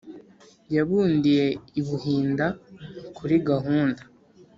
yabundiye i buhinda kuri gahunda